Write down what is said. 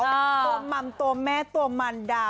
ตัวมัมตัวแม่ตัวมันดา